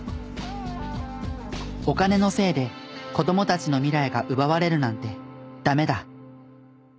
「お金のせいで子供たちの未来が奪われるなんてダメだ！」。